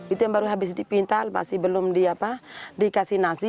itu yang baru habis dipintal masih belum dikasih nasi